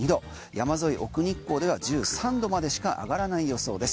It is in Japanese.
山沿い、奥日光では１３度までしか上がらない予想です。